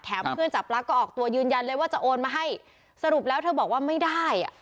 เพื่อนจับปลั๊กก็ออกตัวยืนยันเลยว่าจะโอนมาให้สรุปแล้วเธอบอกว่าไม่ได้อ่ะ